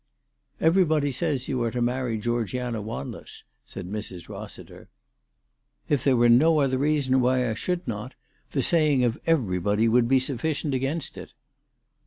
" Everybody says you are to marry Gfeorgiana "Wan less," said Mrs. Rossiter. " If there were no other reason why I should not, the saying of everybody would be sufficient against it."